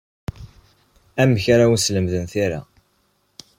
Amek ara awen-slemden tira?